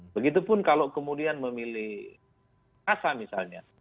begitupun kalau kemudian memilih asa misalnya